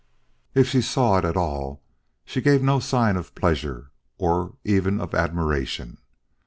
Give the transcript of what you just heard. If she saw it at all, she gave no sign of pleasure or even of admiration.